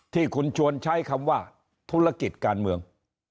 ที่คุณชวนใช้คำว่าธุรกิจการเมือง